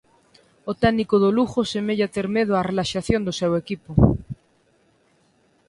O técnico do Lugo semella ter medo á relaxación do seu equipo.